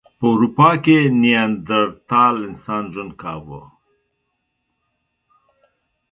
په اروپا کې نیاندرتال انسان ژوند کاوه.